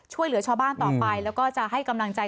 ช่วยเหลือชาวบ้านต่อไปแล้วก็จะให้กำลังใจ